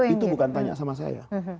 itu bukan tanya sama saya